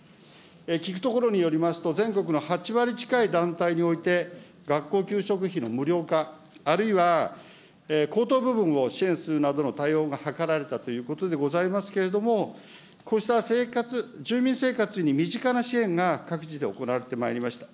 聞くところによりますと全国の８割近い団体において、学校給食費の無料化、あるいはこうとう部分を支援するなどの対応が図られたということでございますけれども、こうした生活、住民生活に身近な支援が各地で行われてまいりました。